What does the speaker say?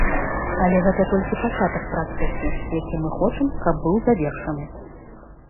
Але гэта толькі пачатак працэсу, які мы хочам, каб быў завершаны.